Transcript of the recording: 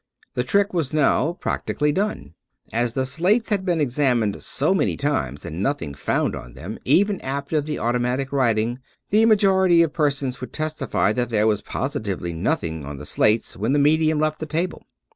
The trick was now practically done. As the slates had been examined so many times and nothing found on them, even after the automatic writing, the majority of persons would testify that there was positively nothing on the slates when the medium left the table.